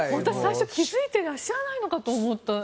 最初、気づいてらっしゃらないのかと思った。